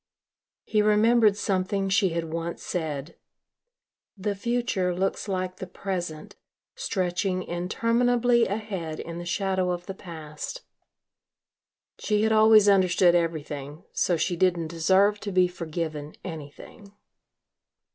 He remembered something she had once said, "The future looks like the present, stretching interminably ahead in the shadow of the past." She had always understood everything, so she didn't deserve to be forgiven anything.